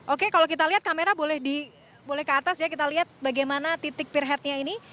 oke kalau kita lihat kamera boleh di boleh ke atas ya kita lihat bagaimana titik pirhatnya ini